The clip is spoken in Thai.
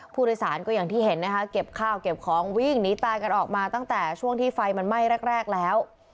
ผู้โดยสารก็อย่างที่เห็นนะคะเก็บข้าวเก็บของวิ่งหนีตายกันออกมาตั้งแต่ช่วงที่ไฟมันไหม้แรกแล้ว